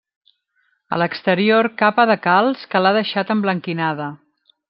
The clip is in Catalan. A l'exterior capa de calç que l'ha deixada emblanquinada.